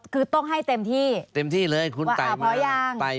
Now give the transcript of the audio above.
คือต้องให้เห็นเต็มที่